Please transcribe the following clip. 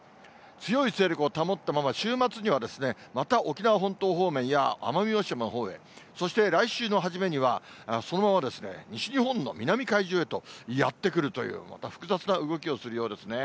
強い勢力を保ったまま、週末には、また沖縄本島方面や奄美大島のほうへ、そして来週の初めには、そのまま西日本の南海上へと、やって来るという、また複雑な動きをするようですね。